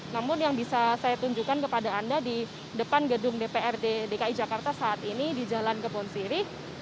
namun yang bisa saya tunjukkan kepada anda di depan gedung dprd dki jakarta saat ini di jalan kebon sirih